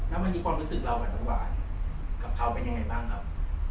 แล้วเมื่อกี้ความรู้สึกเรากับเขาเป็นยังไงบ้างครับ